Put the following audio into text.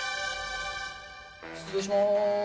失礼します。